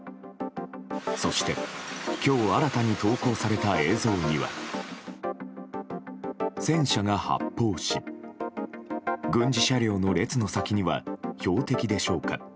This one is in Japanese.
そして、今日新たに投稿された映像には戦車が発砲し軍事車両の列の先には標的でしょうか。